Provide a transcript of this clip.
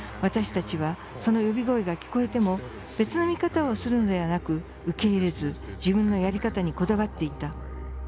私たちはその呼び声が聞こえても別の見方をするのではなく受け入れず、自分のやり方にこだわっていた。